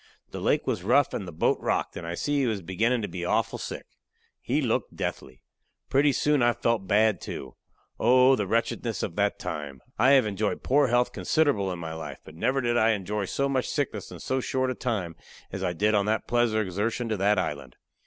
The lake was rough and the boat rocked, and I see he was beginning to be awful sick. He looked deathly. Pretty soon I felt bad, too. Oh! the wretchedness of that time. I have enjoyed poor health considerable in my life, but never did I enjoy so much sickness in so short a time as I did on that pleasure exertion to that island.